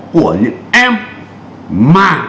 của những em mà